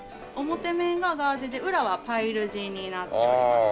表面がガーゼで裏はパイル地になっておりますね。